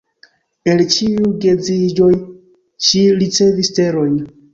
El ĉiuj geedziĝoj, ŝi ricevis terojn.